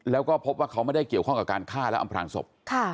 แล้วก็พบว่าเขาไม่ได้เกี่ยวข้องกับการฆ่าและอำพลางศพ